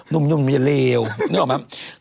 นุ่มนุ่มอย่าเลวนึกออกไหมครับ